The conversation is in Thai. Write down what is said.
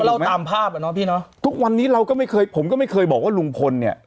เราตามภาพอ่ะเนาะพี่เนอะทุกวันนี้เราก็ไม่เคยผมก็ไม่เคยบอกว่าลุงพลเนี่ย